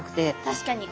確かに。